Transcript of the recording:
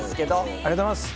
ありがとうございます。